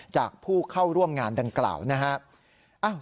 จากผู้เข้าร่วมงานดังกล่าวนะครับ